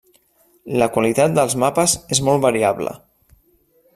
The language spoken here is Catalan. La qualitat dels mapes és molt variable.